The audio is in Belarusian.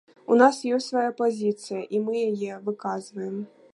У нас ёсць свая пазіцыя і мы яе выказваем.